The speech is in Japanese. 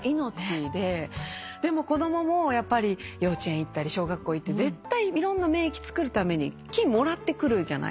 でも子供も幼稚園行ったり小学校行っていろんな免疫つくるために菌もらってくるじゃないですか。